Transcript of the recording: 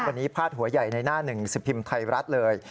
วันนี้พาดหัวใหญ่ในหน้าหนึ่งสิบพิมพ์ไทยรัฐเลย